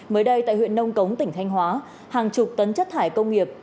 mới đây tại huyện nông cống tỉnh thanh hóa hàng chục tấn chất thải công nghiệp